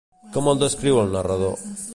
Com el descriu el narrador?